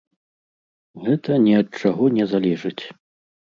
Гэта ні ад чаго не залежыць.